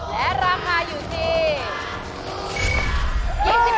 ถูกกว่าถูกกว่าถูกกว่าถูกกว่า